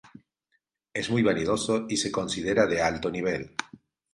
Es muy vanidoso y se considera de alto nivel.